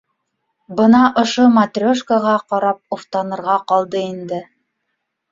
- Бына ошо матрешкаға ҡарап уфтанырға ҡалды инде.